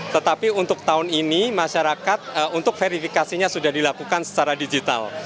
tetapi untuk tahun ini masyarakat untuk verifikasinya sudah dilakukan secara digital